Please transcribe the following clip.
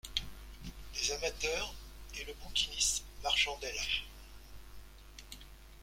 Des amateurs et le bouquiniste marchandaient là.